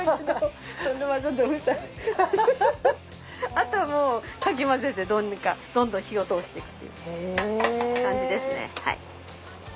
あとはもうかきまぜてどうにかどんどん火を通していくという感じですね。